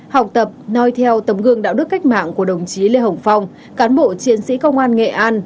học tập nói theo tấm gương đạo đức cách mạng của đồng chí lê hồng phong cán bộ chiến sĩ công an nghệ an